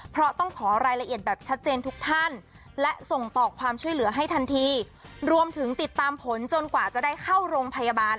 เพราะต้องขอรายละเอียดแบบชัดเจนทุกท่านและส่งต่อความช่วยเหลือให้ทันทีรวมถึงติดตามผลจนกว่าจะได้เข้าโรงพยาบาล